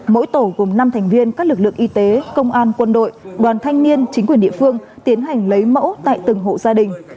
mỗi tổ gồm năm thành viên các lực lượng y tế công an quân đội đoàn thanh niên chính quyền địa phương tiến hành lấy mẫu tại từng hộ gia đình